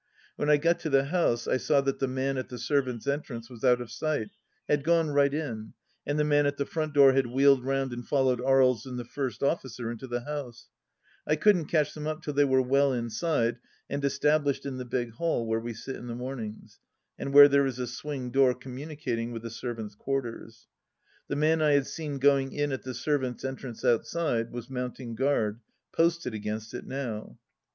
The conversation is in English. When I got to the house I saw that the man at the ser vants' entrance was out of sight — had gone right in — and the man at the front door had wheeled round and followed Aries and the first officer into the house, I couldn't catch them up till they were well inside and established in the big hall where we sit in the mornings, and where there is a swing door communicating with the servants' quarters. The man I had seen going in at the servants' entrance outside was mounting guard, posted against it now.